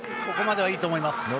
ここまではいいと思います。